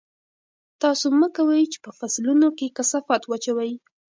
تاسو مه کوئ چې په فصلونو کې کثافات واچوئ.